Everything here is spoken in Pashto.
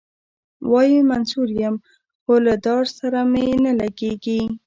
وايي منصور یم خو له دار سره مي نه لګیږي.